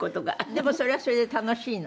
でもそれはそれで楽しいの？